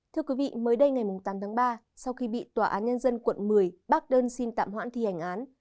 thưa quý vị mới đây ngày tám tháng ba sau khi bị tòa án nhân dân quận một mươi bác đơn xin tạm hoãn thi hành án